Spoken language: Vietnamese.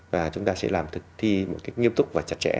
và chúng ta sẽ làm thực thi một cách nghiêm túc và chặt chẽ